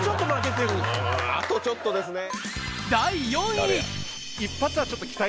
あとちょっとですね。